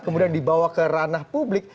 kemudian dibawa ke ranah publik